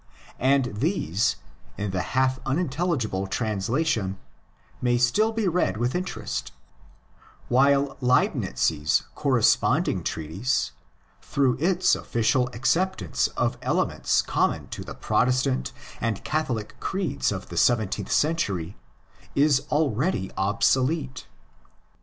And these, in the half unintelligible translation, may still be read with interest ; while lLeibniz's corresponding treatise, through its official acceptance of elements common to the Protestant and Catholic creeds of the seventeenth century, is already obsolete.